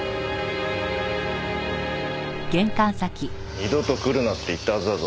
二度と来るなって言ったはずだぞ。